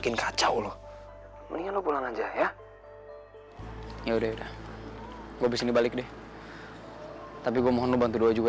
insya allah raya akan baik baik saja